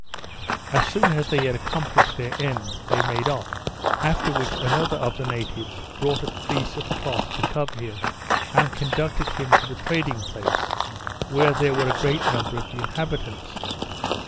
As soon as they had accomplished their end, they made off; after which another of the natives brought a piece of cloth to cover him, and conducted him to the trading place, where were a great number of the inhabitants.